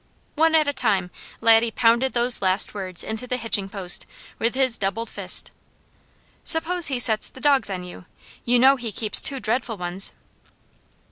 One at a time, Laddie pounded those last words into the hitching post, with his doubled fist. "Suppose he sets the dogs on you! You know he keeps two dreadful ones."